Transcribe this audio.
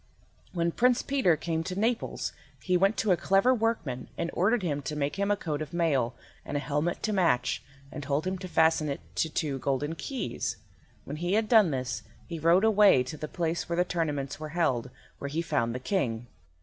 When Prince Peter came to Naples he went to a clever workman, and ordered him to make him a coat of mail, and a helmet to match, and told him to fasten to it two golden keys. When he had done this he rode away to the place where the tournaments were held, where he found the King.